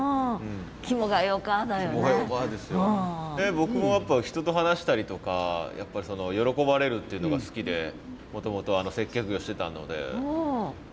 僕もやっぱ人と話したりとかやっぱりその喜ばれるっていうのが好きでもともと接客業してたので。